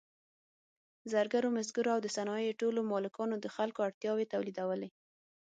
زرګرو، مسګرو او د صنایعو ټولو مالکانو د خلکو اړتیاوې تولیدولې.